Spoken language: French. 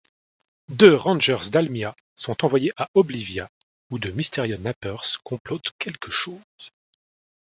Deux Rangers d'Almia sont envoyés à Oblivia où de mystérieux Nappers complotent quelque chose.